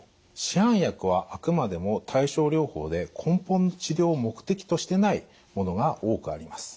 市販薬はあくまでも対症療法で根本の治療を目的としてないものが多くあります。